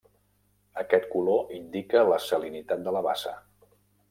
Aquest color indica la salinitat de la bassa.